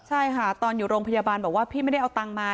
ใช่ค่ะตอนอยู่โรงพยาบาลบอกว่าพี่ไม่ได้เอาตังค์มา